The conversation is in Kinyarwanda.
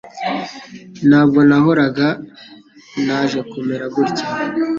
Ntabwo nahoraga; Naje kumera gutya.